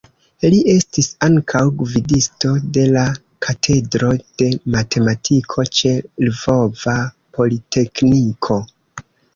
Li estis ankaŭ gvidisto de la Katedro de Matematiko ĉe Lvova Politekniko.